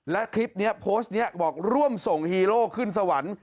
และคลิปนี้โพสต์นี้บอกร่วมส่งฮีโร่ขึ้นสวรรค์